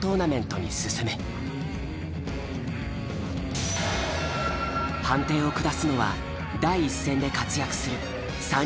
判定を下すのは第一線で活躍する３人の歌人だ。